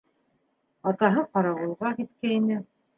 Атаһы ҡарауылға киткәйне.